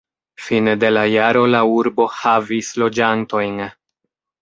Fine de la jaro la urbo havis loĝantojn.